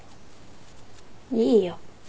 いいよ。